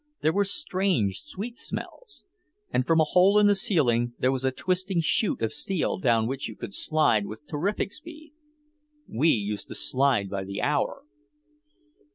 There were strange sweet smells. And from a hole in the ceiling there was a twisting chute of steel down which you could slide with terrific speed. We used to slide by the hour.